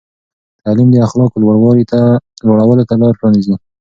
تعلیم د اخلاقو لوړولو ته لار پرانیزي.